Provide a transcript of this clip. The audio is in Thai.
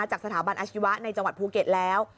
จากสถาบันอาชีวะในจังหวัดภูเก็ตแล้ว